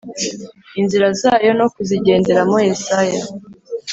inzira zayo no kuzigenderamo Yesaya